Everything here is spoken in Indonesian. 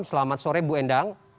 selamat sore bu endang